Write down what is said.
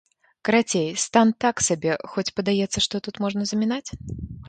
Карацей, стан так сабе, хоць падаецца, што тут можа замінаць?